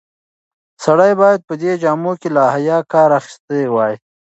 سړی باید په دې جامو کې له حیا کار اخیستی وای.